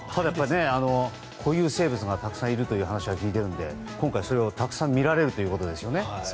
固有生物がたくさんいるという話を聞いているので今回、それをたくさん見られるということですよね。